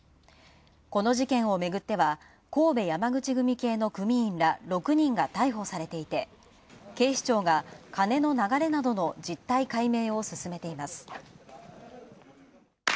この事件をめぐっては神戸山口系の組員ら６人が逮捕されていて警視庁がカネの流れなどの実態解明を勧めています。